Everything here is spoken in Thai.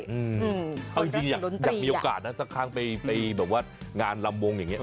เอาจริงอยากมีโอกาสนะสักครั้งไปแบบว่างานลำวงอย่างนี้